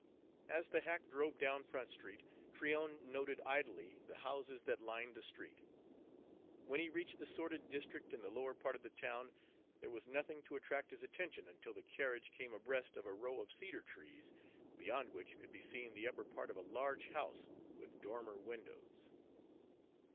As the hack drove down Front Street, Tryon noted idly the houses that lined the street. When he reached the sordid district in the lower part of the town, there was nothing to attract his attention until the carriage came abreast of a row of cedar trees, beyond which could be seen the upper part of a large house with dormer windows.